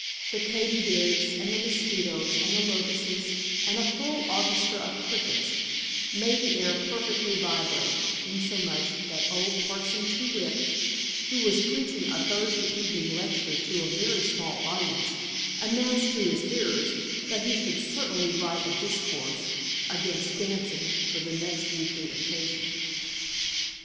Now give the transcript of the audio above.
The Katy dids, and the Mosquitoes, and the Locusts, and a full orchestra of Crickets made the air perfectly vibrate, insomuch that old Parson Too whit, who was preaching a Thursday evening lecture to a very small audience, announced to his hearers that he should certainly write a discourse against dancing, for the next weekly occasion.